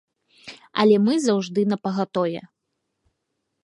Але мы заўжды напагатове.